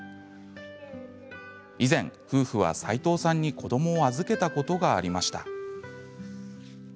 以前、夫婦は、齋藤さんに子どもを預けたことがありました。